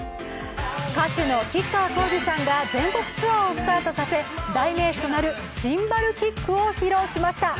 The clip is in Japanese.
歌手の吉川晃司さんが全国ツアーをスタートさせ代名詞となるシンバルキックを披露しました。